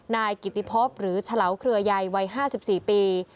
นายกิติพบหรือเฉลาเครือใยวัย๕๔ปี